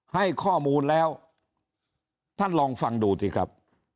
ให้ข้อมูลแล้วท่านลองฟังดูสิครับ